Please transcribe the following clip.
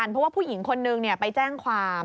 เพราะว่าผู้หญิงคนนึงไปแจ้งความ